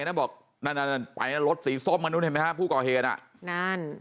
นั่นบอกนั่นนั่นไปแล้วรถสีส้มอันนู้นเห็นไหมฮะผู้ก่อเหตุอ่ะนั่น